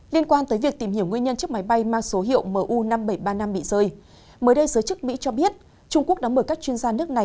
liên quan tới việc tìm hiểu nguyên nhân chiếc máy bay mang số hiệu mu năm nghìn bảy trăm ba mươi năm bị rơi mới đây giới chức mỹ cho biết trung quốc đã mời các chuyên gia nước này